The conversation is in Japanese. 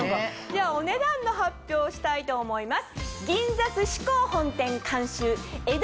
お値段の発表したいと思います。